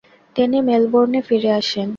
তিনি মেলবোর্নে ফিরে আসেন।